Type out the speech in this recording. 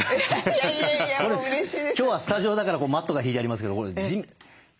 今日はスタジオだからマットが敷いてありますけどこれ土ですからね。